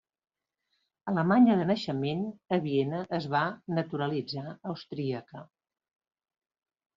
Alemanya de naixement, a Viena es va naturalitzar austríaca.